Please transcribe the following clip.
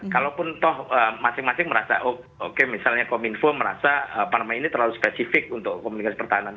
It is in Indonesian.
kalaupun toh masing masing merasa oke misalnya kominfo merasa ini terlalu spesifik untuk komunikasi pertahanan